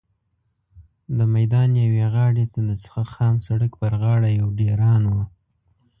د میدان یوې غاړې ته د خام سړک پر غاړه یو ډېران و.